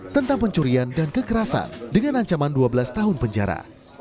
tentang pencurian dan kekerasan dengan ancaman dua belas tahun penjara